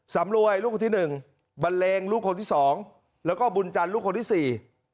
สำรวยลูกที่๑บรรเลงลูกคนที่๒แล้วก็บุญจันทร์ลูกคนที่๔